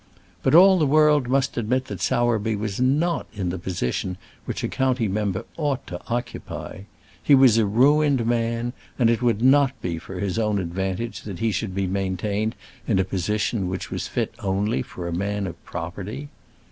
But all the world must admit that Sowerby was not in the position which a county member ought to occupy. He was a ruined man, and it would not be for his own advantage that he should be maintained in a position which was fit only for a man of property.